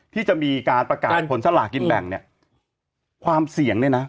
ที่จะมีการประกาศผลสลากินแบ่งเนี่ยความเสี่ยงเนี่ยนะ